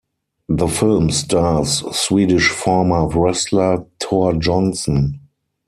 The film stars Swedish former wrestler Tor Johnson.